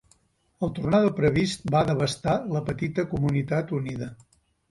El tornado previst va devastar la petita comunitat unida.